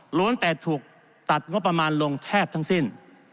แต่ถูกตัดงบประมาณลงแทบทั้งสิ้น